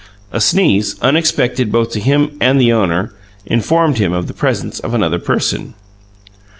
A sneeze, unexpected both to him and the owner, informed him of the presence of another person.